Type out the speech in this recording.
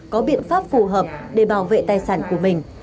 có biện pháp phù hợp để bảo vệ tài sản của mình